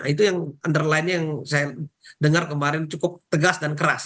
itu yang underline nya yang saya dengar kemarin cukup tegas dan keras